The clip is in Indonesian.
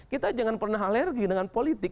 kita jangan pernah alergi dengan politik